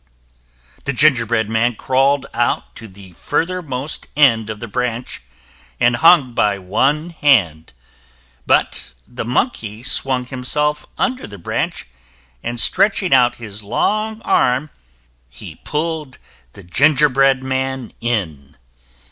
The gingerbread man crawled out to the furthermost end of the branch, and hung by one hand, but the monkey swung himself under the branch, and stretching out his long arm, he pulled the gingerbread man in.